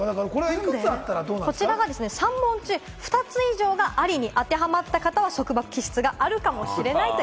３問中２つ以上が「ある」にあてはまった方が束縛気質があるかもしれない。